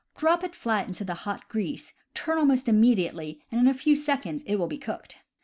Drop it flat into the hot grease, turn al most immediately, and in a few seconds it will b^ cooked.